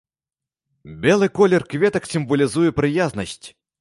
Белы колер кветак сімвалізуе прыязнасць.